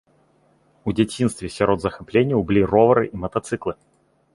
У дзяцінстве сярод захапленняў былі ровары і матацыклы.